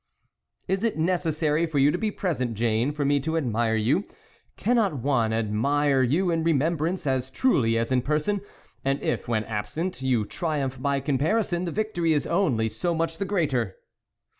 " Is it necessary for you to be present, Jane, for me to admire you; cannot one admire you in remembrance as truly as in person ? and if, when absent, you triumph by comparison, the victory is only so much the greater."